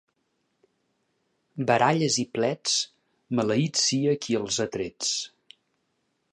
Baralles i plets, maleït sia qui els ha trets.